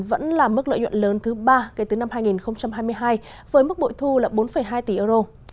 vẫn là mức lợi nhuận lớn thứ ba kể từ năm hai nghìn hai mươi hai với mức bội thu là bốn hai tỷ euro